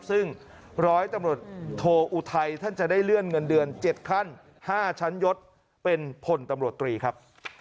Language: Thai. ซึ่งร้อยตำรวจโทอุทัยท่านจะได้เลื่อนเงินเดือน๗ขั้น๕ชั้นยศเป็นพลตำรวจตรีครับ